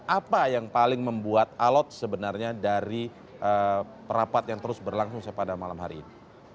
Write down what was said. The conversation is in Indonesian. apa yang paling membuat alot sebenarnya dari perapat yang terus berlangsung pada malam hari ini